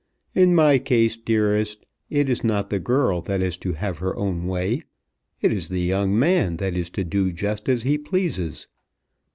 In my case, dearest, it is not the girl that is to have her own way. It's the young man that is to do just as he pleases.